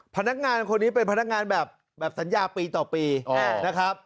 พนักงานคนนี้เป็นพนักงานแบบสัญญาปีต่อปีนะครับ